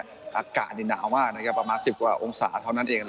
อากาศนี่หนาวมากนะครับประมาณ๑๐กว่าองศาเท่านั้นเอง